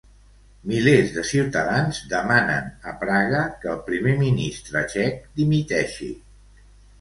Milers de ciutadans demanen a Praga que el primer ministre txec dimiteixi.